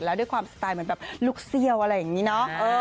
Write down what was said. แล้วด้วยความสไตล์เหมือนแบบลูกเซี่ยวอะไรอย่างนี้เนาะ